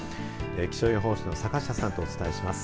気象予報士の坂下さんとお伝えします。